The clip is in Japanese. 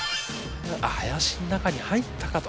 林の中に入ったかと。